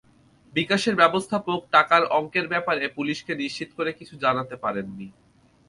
বিকাশের ব্যবস্থাপক টাকার অঙ্কের ব্যাপারে পুলিশকে নিশ্চিত করে কিছু জানাতে পারেননি।